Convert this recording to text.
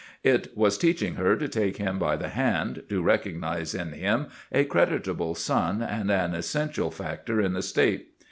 It was teaching her to take him by the hand, to recognise in him a creditable son and an essential factor in the State.